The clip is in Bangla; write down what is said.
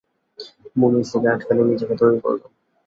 মুনির সিগারেট ফেলে নিজেকে তৈরি করল।